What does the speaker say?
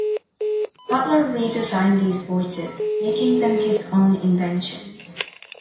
Butler redesigned these voices, making them his own inventions.